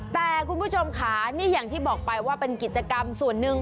แต่คุณผู้ชมค่ะนี่อย่างที่บอกไปว่าเป็นกิจกรรมส่วนหนึ่ง